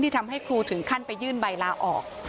ทำให้ครูถึงขั้นไปยื่นใบลาออก